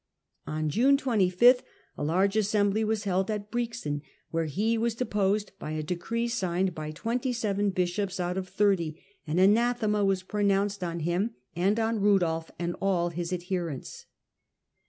On V June 25 a large assembly was held at Brtien, where he was deposed by a decree signed by twenty seven bishops out of thirty, and anathema was pronounced on him, and on Rudolf, and all their adherents.